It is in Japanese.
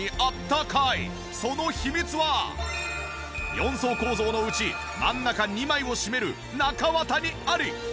４層構造のうち真ん中２枚を占める中綿にあり！